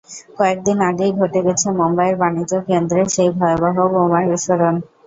কয়েক দিন আগেই ঘটে গেছে মুম্বাইয়ের বাণিজ্যকেন্দ্রে সেই ভয়াবহ বোমা বিস্ফোরণ।